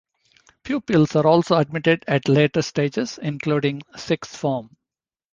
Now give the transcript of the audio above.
Pupils are also admitted at later stages, including sixth form.